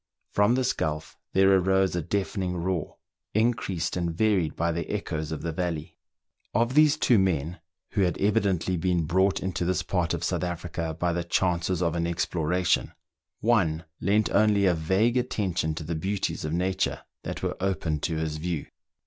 From this gulf there arose a deafening roar, increased and varied by the echoes of the valley. Of these two men, who had evidently been brought into this part of South Africa by the chances of an exploration, one lent only a vague attention to the beauties of nature that were opened to his view.